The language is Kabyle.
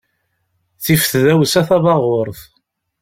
Tif tdawsa tabaɣurt.